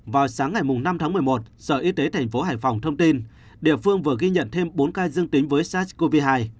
vào sáng ngày năm tháng một mươi một sở y tế thành phố hải phòng thông tin địa phương vừa ghi nhận thêm bốn ca dương tính với sars cov hai